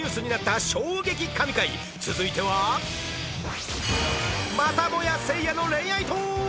続いてはまたもやせいやの恋愛トーク！